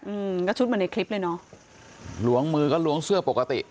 อืมก็ชุดเหมือนในคลิปเลยเนอะล้วงมือก็ล้วงเสื้อปกติ